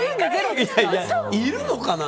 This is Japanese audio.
いるのかな。